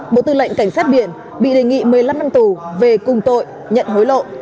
bộ tư lệnh cảnh sát biển bị đề nghị một mươi năm năm tù về cùng tội nhận hối lộ